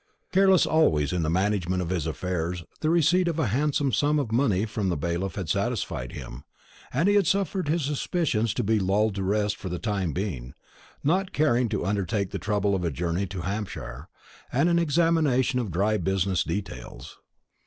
Careless always in the management of his affairs, the receipt of a handsome sum of money from the bailiff had satisfied him, and he had suffered his suspicions to be lulled to rest for the time being, not caring to undertake the trouble of a journey to Hampshire, and an examination of dry business details.